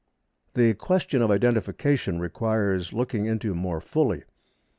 The question of identification requires looking into more fully.